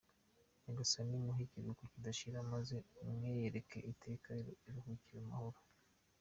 Nyagasani muhe iruhuko ridashira, maze umwiyereke iteka, aruhukire mu mahoro!